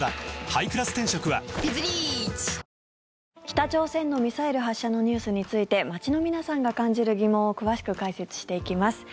北朝鮮のミサイル発射のニュースについて街の皆さんが感じる疑問を詳しく解説していきます。